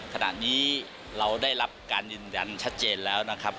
ขณะนี้เราได้รับการยืนยันชัดเจนแล้วนะครับ